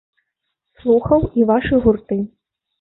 Слухаў і вашы гурты.